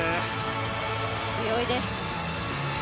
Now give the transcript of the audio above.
強いです。